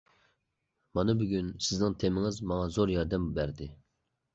مانا بۈگۈن سىزنىڭ تېمىڭىز ماڭا زور ياردەم بەردى.